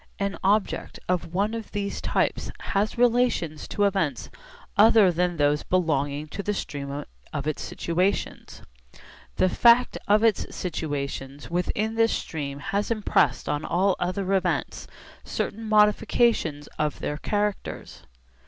An object of one of these types has relations to events other than those belonging to the stream of its situations. The fact of its situations within this stream has impressed on all other events certain modifications of their characters.